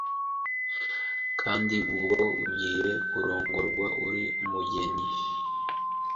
Kandi ubwo ugiye kurongorwa, uri umugeni,